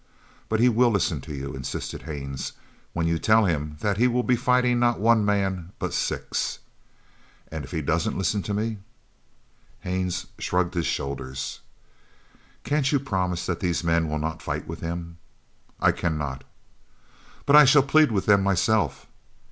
"But he will listen to you," insisted Haines, "when you tell him that he will be fighting not one man, but six." "And if he doesn't listen to me?" Haines shrugged his shoulders. "Can't you promise that these men will not fight with him?" "I cannot." "But I shall plead with them myself."